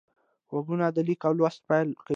غوږونه د لیک لوست پیل کوي